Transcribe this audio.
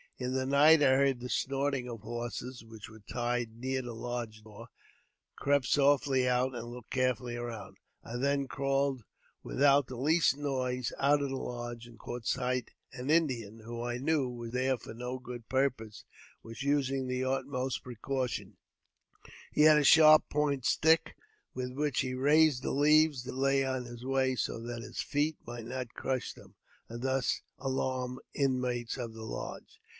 In the night I heard th snorting of horses, which were tied near the lodge door crept softly out and looked carefully around. I then crawled without the least noise, out of the lodge, and caught sight an Indian, who I knew was there for no good purpose was using the utmost precaution ; he had a sharp pointe stick, with which he raised the leaves that lay in his way. so that his feet might not crush them, and thus alarm i inmates of the lodge.